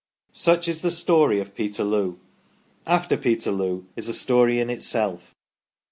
Such is the story of Peterloo. " After Peterloo " is a story in itself.